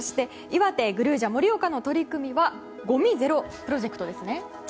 いわてグルージャ盛岡の取り組みはごみゼロプロジェクトですね。